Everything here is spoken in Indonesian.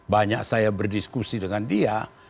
banyak saya berdiskusi dengan dia